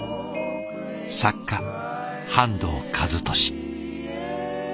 作家半藤一利。